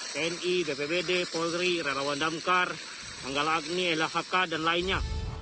tni bpbd polri relawan damkar manggala agni lhk dan lainnya